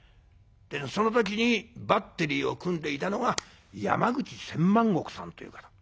その時にバッテリーを組んでいたのが山口千万石さんという方。